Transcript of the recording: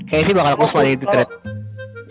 kc bakal kusma yang di trade